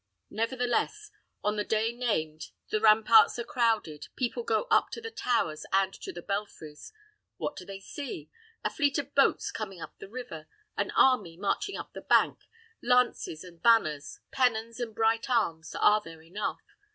Nevertheless, on the day named, the ramparts are crowded, people go up to the towers and to the belfries. What do they see? A fleet of boats coming up the river, an army marching up the bank, lances and banners, pennons and bright arms are there enough.